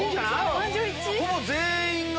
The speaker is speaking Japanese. ほぼ全員が。